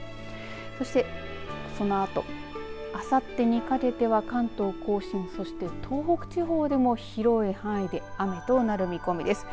そしてそのあとあさってにかけては関東甲信、そして東北地方でも広い範囲で雨となる見込みです。